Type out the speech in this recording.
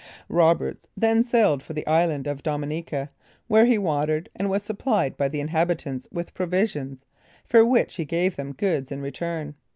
Roberts then sailed for the Island of Dominica, where he watered, and was supplied by the inhabitants with provisions, for which he gave them goods in return.